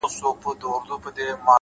مثبت انسان ناامیدي کمزورې کوي؛